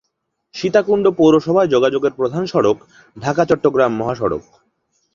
সীতাকুণ্ড পৌরসভায় যোগাযোগের প্রধান সড়ক ঢাকা-চট্টগ্রাম মহাসড়ক।